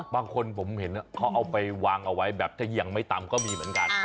บางคนผมเห็นเขาเอาไปวางเอาไว้แบบถ้าเยี่ยงไม่ตำก็มีเหมือนกัน